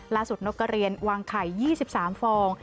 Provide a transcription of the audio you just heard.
ล่าสุดนกเกรียญวางไข่๒๓ฟอง